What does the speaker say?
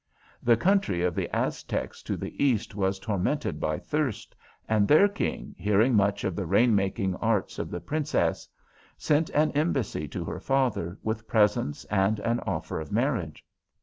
The country of the Aztecs to the east was tormented by thirst, and their king, hearing much of the rain making arts of the Princess, sent an embassy to her father, with presents and an offer of marriage.